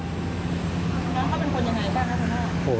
แล้วเขาเป็นคนอย่างไรครับ